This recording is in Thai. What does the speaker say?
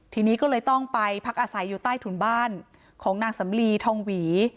ทีนี้ก็เลยต้องไปพักอาศัยอยู่ใต้ถุนบ้านของนางสำลีทองหวี